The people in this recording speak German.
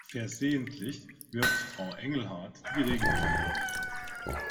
Versehentlich wirft Frau Engelhart die Regentonne um.